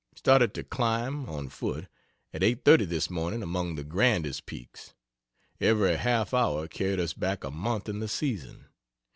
Started to climb (on foot) at 8.30 this morning among the grandest peaks! Every half hour carried us back a month in the season.